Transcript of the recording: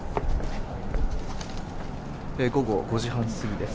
午後５時半過ぎです。